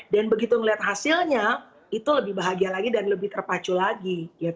dan begitu ngeliat hasilnya itu lebih bahagia lagi dan lebih terpacu lagi